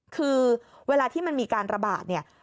คือเวลาที่มันมีการระบาดเนี่ย